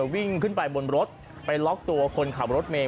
วิ่งขึ้นไปบนรถไปล็อกตัวคนขับรถเมย